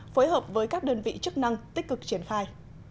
phối hợp với các đơn vị chức năng tích cực triển khai